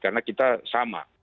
karena kita sama